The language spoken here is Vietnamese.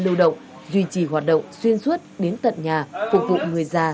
lưu động duy trì hoạt động xuyên suốt đến tận nhà phục vụ người già